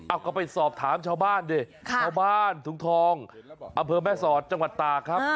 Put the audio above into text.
เอาก็ไปสอบถามชาวบ้านดิชาวบ้านถุงทองอำเภอแม่สอดจังหวัดตากครับ